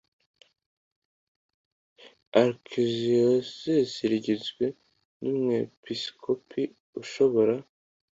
arkidiyosezi rugizwe n umwepisikopi ushobora